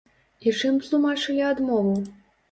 І чым тлумачылі адмову?